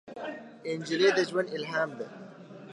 نجلۍ د ژوند الهام ده.